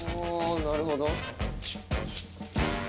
なるほど。